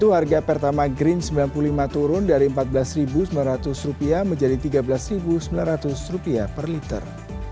harga pertama green rp sembilan puluh lima turun dari rp empat belas sembilan ratus menjadi rp tiga belas sembilan ratus per liter